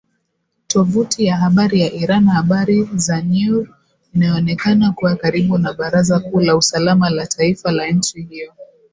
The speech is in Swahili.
Tovuti ya habari ya Iran, Habari za Neur inayoonekana kuwa karibu na baraza kuu la usalama la taifa la nchi hiyo.